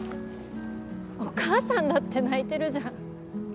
お母さんだって泣いてるじゃん。